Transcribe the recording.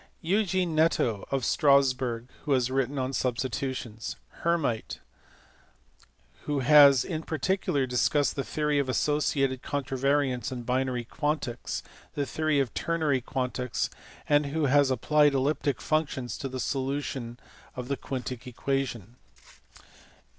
Eugen Netto, of Strassburg, who has written on substitutions. Hermite (see above, pp. 462, 469, 470, 471), who has in particular discussed the theory of associated covariants in binary quantics, the theory of ternary quantics, and who has applied elliptic functions to the solution of the quintic equation.